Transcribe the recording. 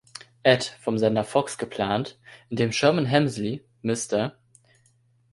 Ed" vom Sender Fox geplant, in dem Sherman Hemsley "Mr.